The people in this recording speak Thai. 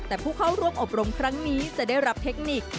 แต่ผู้เข้าร่วมอบรมครั้งนี้จะได้รับเทคนิค